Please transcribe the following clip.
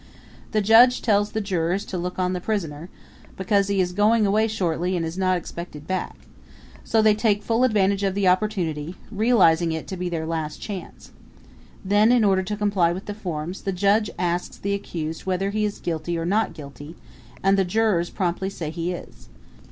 The judge tells the jurors to look on the prisoner, because he is going away shortly and is not expected back; so they take full advantage of the opportunity, realizing it to be their last chance. Then, in order to comply with the forms, the judge asks the accused whether he is guilty or not guilty, and the jurors promptly say he is.